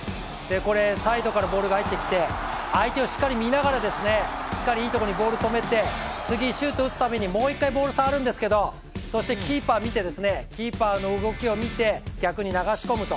これ、サイドからボールが入ってきて、相手をしっかり見ながらしっかり、いいところにボールを止めて次、シュート打つためにもう一回ボールを触るんですけどそしてキーパーの動きを見て逆に流し込むと。